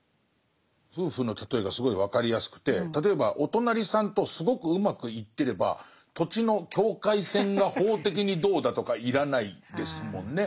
夫婦の例えがすごい分かりやすくて例えばお隣さんとすごくうまくいってれば土地の境界線が法的にどうだとか要らないですもんね。